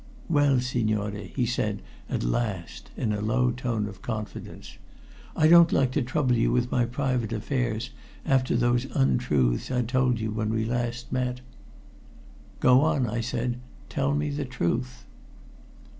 "Well, signore," he said at last in a low tone of confidence, "I don't like to trouble you with my private affairs after those untruths I told you when we last met." "Go on," I said. "Tell me the truth."